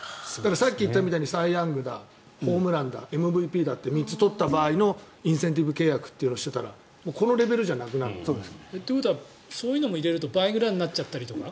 さっき言ったようにサイ・ヤングだホームランだ、ＭＶＰだって３つ取った場合のインセンティブ契約っていうのをしてたらこのレベルじゃなくなる。ということはそういうのも入れると倍ぐらいになっちゃったりとか？